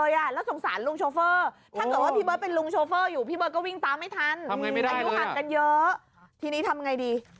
เยอะทีนี้ทำยังไงดี